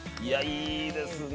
いいですね。